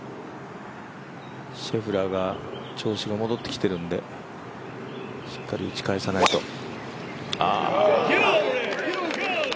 シェフラーが調子が戻ってきてるんでしっかり打ち返さないと。